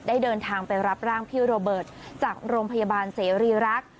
เดินทางไปรับร่างพี่โรเบิร์ตจากโรงพยาบาลเสรีรักษ์